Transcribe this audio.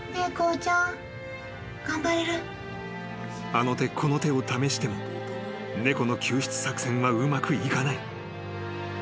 ［あの手この手を試しても猫の救出作戦はうまくいかない］